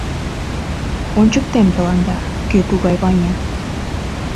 «Ончыктем тыланда, кӧ тугай Ваня.